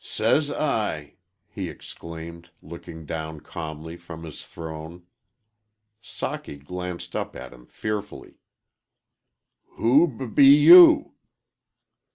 "Says I!" he exclaimed, looking down calmly from his throne. Socky glanced up at him fearfully. "Who b be you?"